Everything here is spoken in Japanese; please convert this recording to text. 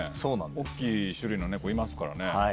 大っきい種類のネコいますから。